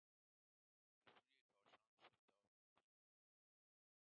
به سوی کاشان شتافتیم.